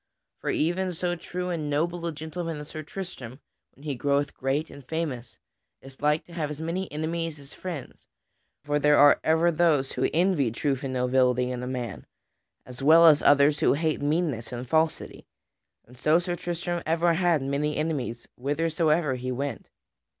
For even so true and noble a gentleman as Sir Tristram, when he groweth great and famous, is like to have as many enemies as friends. For there are ever those who envy truth and nobility in a man, as well as others who hate meanness and falsity, and so Sir Tristram ever had many enemies whithersoever he went.